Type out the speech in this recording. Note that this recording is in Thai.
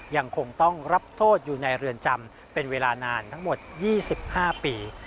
ยังคงต้องรับโทษอยู่ในเรือนจำเป็นเวลานานทั้งหมด๒๕ปี